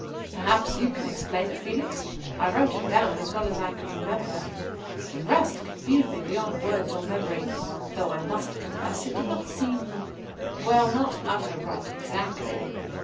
"Perhaps you can explain it, Felix. I wrote it down, as well as I could remember. The rest confused me beyond words or memory; though I must confess it did not seem well, not utter rot exactly.